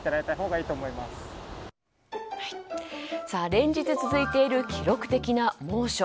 連日続いている記録的な猛暑。